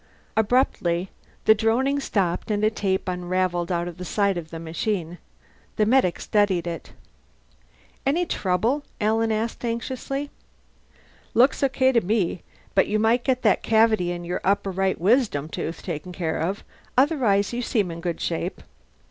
Abruptly the droning stopped and a tape unravelled out of the side of the machine. The medic studied it. "Any trouble?" Alan asked anxiously. "Looks okay to me. But you might get that cavity in your upper right wisdom tooth taken care of. Otherwise you seem in good shape."